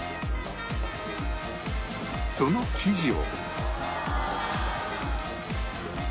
その生地を